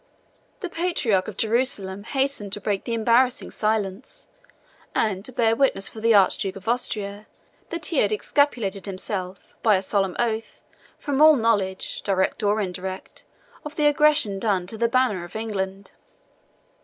The Patriarch of Jerusalem hastened to break the embarrassing silence, and to bear witness for the Archduke of Austria that he had exculpated himself, by a solemn oath, from all knowledge, direct or indirect, of the aggression done to the Banner of England.